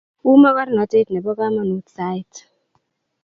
Uu mokornatet nebo kamanut sait